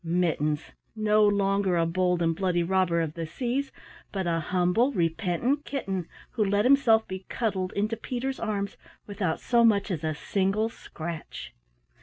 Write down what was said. Mittens, no longer a bold and bloody robber of the seas but a humble repentant kitten who let himself be cuddled into Peter's arms without so much as a single scratch.